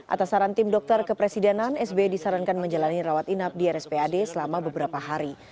atas saran tim dokter kepresidenan sbi disarankan menjalani rawat inap di rspad selama beberapa hari